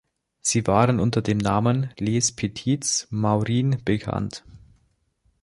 Sie waren unter dem Namen „Les petits Maurin“ bekannt.